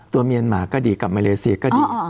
ตัวเมียนมาก็ดีกับเมริเศียก็ดี